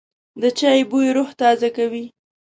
د چای بوی روح تازه کوي.